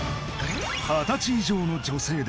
二十歳以上の女性で